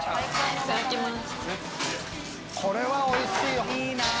いただきます。